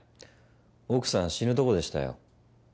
奥さん死ぬとこでしたよ。